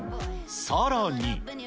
さらに。